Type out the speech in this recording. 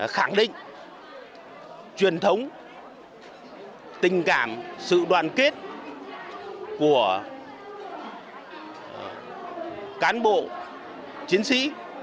khẳng định truyền thống tình cảm sự đoàn kết của cán bộ chiến sĩ